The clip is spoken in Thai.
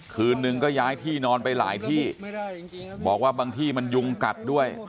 คืนนึงก็ย้ายที่นอนไปหลายที่บอกว่าบางที่มันยุงกัดด้วย